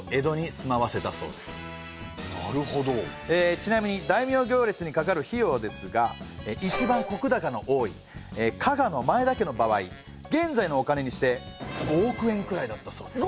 ちなみに大名行列にかかる費用ですがいちばん石高の多い加賀の前田家の場合現在のお金にして５億円くらいだったそうです。